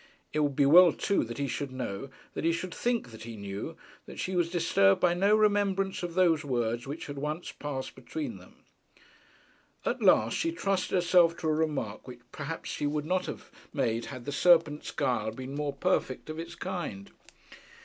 It would be well too that he should know, that he should think that he knew, that she was disturbed by no remembrance of those words which had once passed between them. At last she trusted herself to a remark which perhaps she would not have made had the serpent's guile been more perfect of its kind.